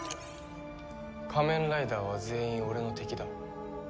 仮面ライダーは全員俺の敵だ。